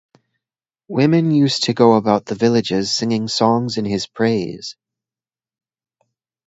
Women used to go about the villages singing songs in his praise.